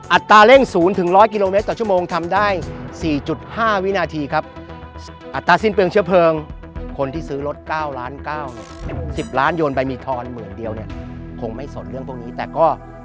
ตราเร่ง๐๑๐๐กิโลเมตรต่อชั่วโมงทำได้๔๕วินาทีครับอัตราสิ้นเปลืองเชื้อเพลิงคนที่ซื้อรถ๙ล้าน๙๑๐ล้านโยนใบมีทอนหมื่นเดียวเนี่ยคงไม่สนเรื่องพวกนี้แต่ก็